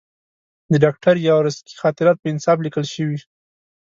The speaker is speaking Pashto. د ډاکټر یاورسکي خاطرات په انصاف لیکل شوي.